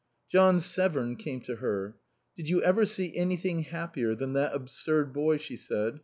John Severn came to her. "Did you ever see anything happier than that absurd boy?" she said.